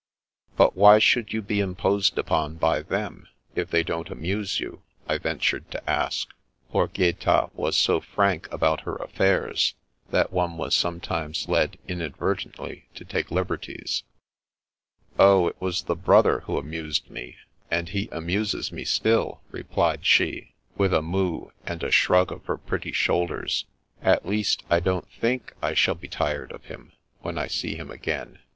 " But why should you be imposed upon by them, if they don't amuse you ?" I ventured to ask ; for Gaeta was so frank about her affairs that one was sometimes led inadvertently to take liberties. " Oh, it was the brother who amused me, and he amuses me still," replied she, with a moue, and a shrug of her pretty shoulders. " At least, I don't think I shall be tired of him, when I see him again.